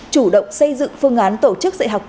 chủ động xây dựng phương án tổ chức dạy học